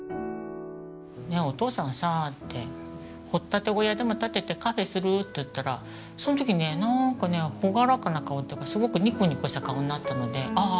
ねえお父さんさって「掘っ立て小屋でも建ててカフェする？」って言ったらその時ねなんかね朗らかな顔というかすごくニコニコした顔になったのでああ